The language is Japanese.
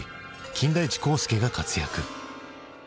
金田一耕助が活躍。